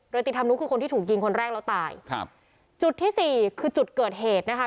โดยติธรรมนุคือคนที่ถูกยิงคนแรกแล้วตายครับจุดที่สี่คือจุดเกิดเหตุนะคะ